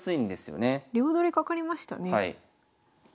両取りかかりましたね。